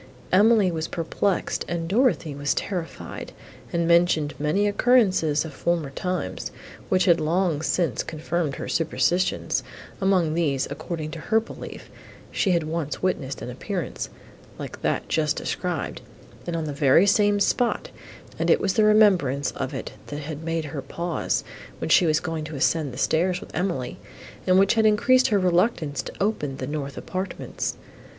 Emily was perplexed, and Dorothée was terrified, and mentioned many occurrences of former times, which had long since confirmed her superstitions; among these, according to her belief, she had once witnessed an appearance, like that just described, and on the very same spot, and it was the remembrance of it, that had made her pause, when she was going to ascend the stairs with Emily, and which had increased her reluctance to open the north apartments.